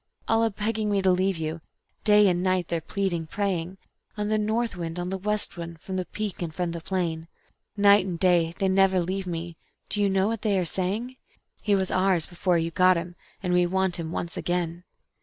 All a begging me to leave you. Day and night they're pleading, praying, On the North wind, on the West wind, from the peak and from the plain; Night and day they never leave me do you know what they are saying? "He was ours before you got him, and we want him once again."